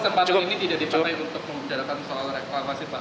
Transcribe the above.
masalahnya kesempatan ini tidak dipatahi untuk mengerjakan soal reklamasi pak